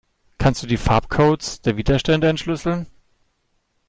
Kannst du die Farbcodes der Widerstände entschlüsseln?